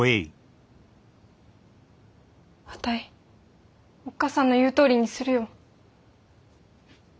あたいおっ母さんの言うとおりにするよ。